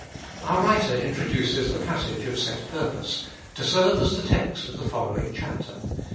Our writer introduces the passage of set purpose, to serve as the text of the following chapter.